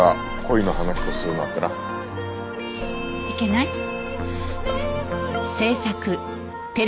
いけない？